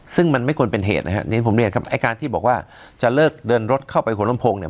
ซึ่งมันไม่ควรเป็นเหตุนะครับอย่างที่ผมเรียนครับไอ้การที่บอกว่าจะเลิกเดินรถเข้าไปหัวลำโพงเนี่ย